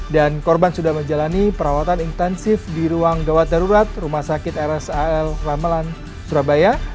dan korban sudah menjalani perawatan intensif di ruang gawat darurat rumah sakit rsal ramelan surabaya